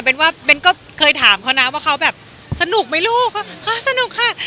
เบนว่าเบนก็เคยถามเขานะว่าเขาแบบสนุกมั้ยลูกเขาฮ้าสนุกค่ะ